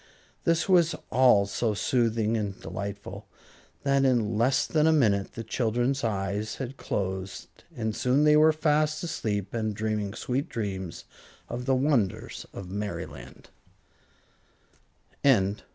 This was all so soothing and delightful that in less than a minute the children's eyes had closed, and soon they were fast asleep and dreaming sweet dreams of the wonders of Merryland.